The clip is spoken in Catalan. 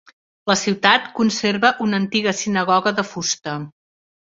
La ciutat conserva una antiga sinagoga de fusta.